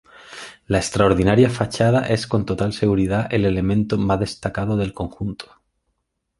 La extraordinaria fachada es con total seguridad el elemento más destacado del conjunto.